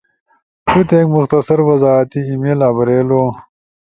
تو تے ایک مختصر وضاحتی ای میل آبریلو،